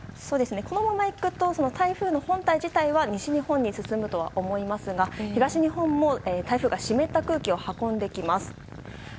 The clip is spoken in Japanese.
このままいくと台風の本体自体は西日本に進むとは思いますが東日本も、台風が湿った空気を運んできます。